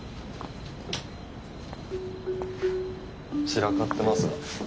散らかってますが。